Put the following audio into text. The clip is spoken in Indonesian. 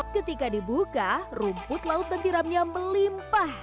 ketika dibuka rumput laut dan tiramnya melimpah